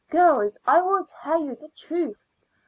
Girls, I will tell you the truth.